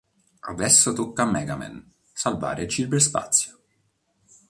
Adesso tocca a Megaman salvare il cyberspazio.